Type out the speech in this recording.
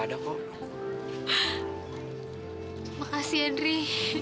terima kasih ya dri